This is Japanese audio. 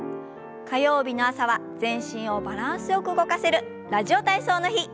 火曜日の朝は全身をバランスよく動かせる「ラジオ体操」の日。